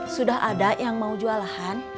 sudah ada yang mau jual lahan